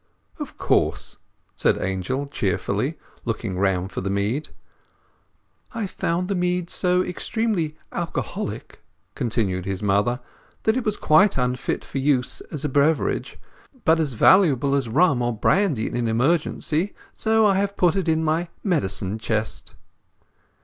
"Of course," said Angel cheerfully, looking round for the mead. "I found the mead so extremely alcoholic," continued his mother, "that it was quite unfit for use as a beverage, but as valuable as rum or brandy in an emergency; so I have put it in my medicine closet."